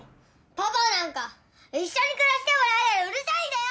パパなんか一緒に暮らしてもないのにうるさいんだよ！